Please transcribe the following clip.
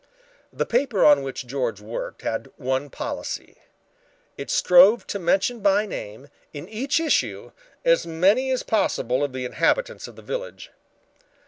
The paper on which George worked had one policy. It strove to mention by name in each issue, as many as possible of the inhabitants of the village.